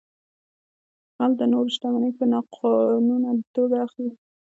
غل د نورو شتمنۍ په ناقانونه توګه اخلي